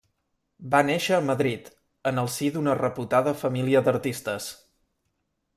Va néixer a Madrid, en el si d'una reputada família d'artistes.